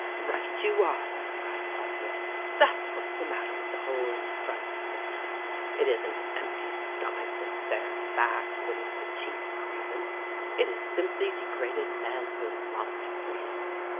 "Right you are !" cried Arthur, "that's what's the mat ter with the whole infernal system. It isn't empty stomachs and bare backs that is the chief grievance : it is simply degraded manhood and lost freedom."